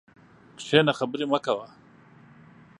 کښېنه خبري مه کوه!